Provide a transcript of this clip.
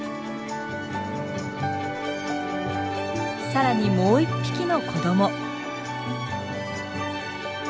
さらにもう一匹の子ども。